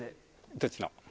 どっちの？